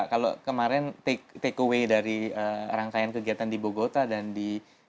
kalau kemarin take away dari rangkaian kegiatan di bogota dan di